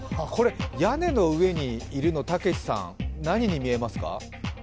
これ、屋根の上にいるのたけしさん、何に見えますか？